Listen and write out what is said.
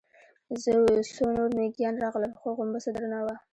څو نور مېږيان راغلل، خو غومبسه درنه وه.